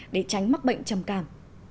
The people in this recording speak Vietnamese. để tránh mắc bệnh chầm cảm